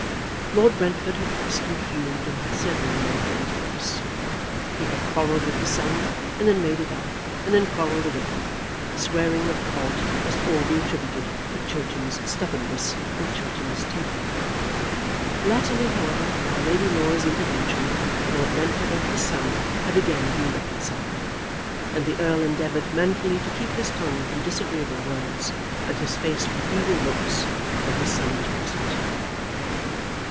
Lord Brentford had fussed and fumed, and had certainly made things worse. He had quarrelled with his son, and then made it up, and then quarrelled again, swearing that the fault must all be attributed to Chiltern's stubbornness and Chiltern's temper. Latterly, however, by Lady Laura's intervention, Lord Brentford and his son had again been reconciled, and the Earl endeavoured manfully to keep his tongue from disagreeable words, and his face from evil looks, when his son was present.